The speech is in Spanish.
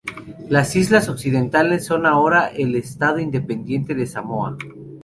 Las islas occidentales son ahora el estado independiente de Samoa.